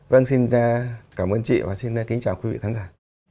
vâng xin cảm ơn chị và xin kính chào quý vị khán giả